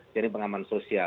jaring pengaman sosial